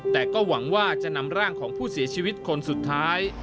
แต่ก็หวังว่าจะนำร่างของผู้เสียชีวิตคนสุดท้าย